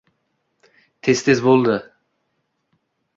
Tez-tez bo‘ldi.